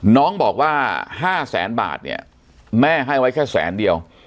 น้องบอกว่าห้าแสนบาทแม่ให้ไว้แค่แสนเดียว